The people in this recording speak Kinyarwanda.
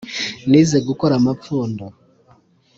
nize gukora amapfundo